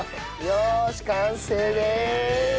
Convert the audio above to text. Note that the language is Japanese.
よし完成です！